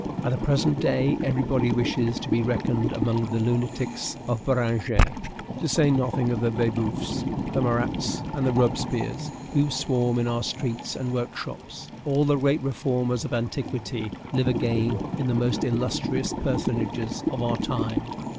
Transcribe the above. At the present day, everybody wishes to be reckoned among the lunatics of Beranger. To say nothing of the Babeufs, the Marats, and the Robespierres, who swarm in our streets and workshops, all the great reformers of antiquity live again in the most illustrious personages of our time.